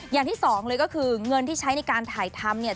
อย่างที่สองเลยก็คือเงินที่ใช้ในการถ่ายทำเนี่ย